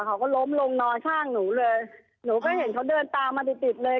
เขาก็ล้มลงนอนข้างหนูเลยหนูก็เห็นเขาเดินตามมาติดติดเลย